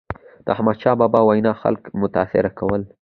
د احمدشاه بابا وینا خلک متاثره کول.